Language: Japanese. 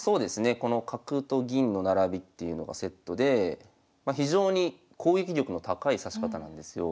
この角と銀の並びっていうのがセットで非常に攻撃力の高い指し方なんですよ。